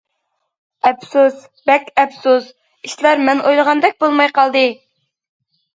ئەپسۇس، بەك ئەپسۇس، ئىشلار مەن ئويلىغاندەك بولماي قالدى!